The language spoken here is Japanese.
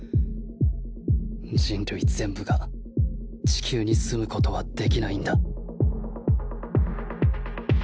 人類全部が地球に住むことはできないんだ。